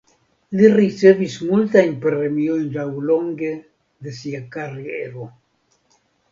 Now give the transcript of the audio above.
Li ricevis multajn premiojn laŭlonge de sia kariero.